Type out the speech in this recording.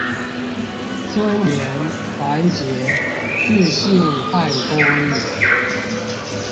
尊嚴、團結、自信和公義